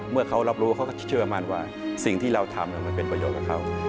เมื่อเขารับรู้เขาก็เชื่อมั่นว่าสิ่งที่เราทำมันเป็นประโยชน์กับเขา